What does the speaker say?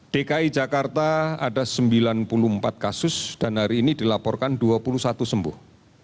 dki jakarta ada sembilan puluh empat kasus dan hari ini dilaporkan dua puluh satu sembuh